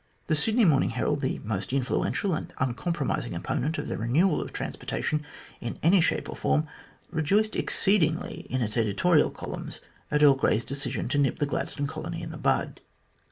The Sydney Morning Herald, the most influential and uncompromising opponent of the renewal of transportation " in any shape or form, rejoiced exceedingly in its editorial columns at Earl Grey's decision to nip the Gladstone Colony in the bud.